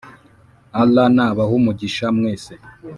allah n’abahumugisha mwese.